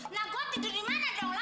nah gua tidur dimana dong lah